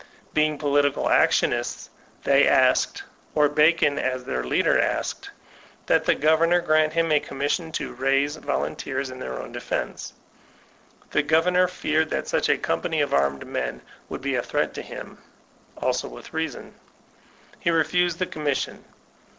Being political actionists, they asked, or Baoon as their leader asked, that the governor grant him a commission to raise volunteers in their own defense. The governor feared that such a company of armed men would be a threat to him; also with reason. He refused the commission.